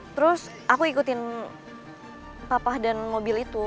terus aku ikutin papah dan mobil itu